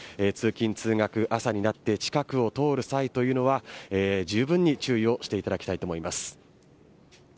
通勤通学、朝になって近くを通る際というのはじゅうぶんに注意をしていただきたいと思います。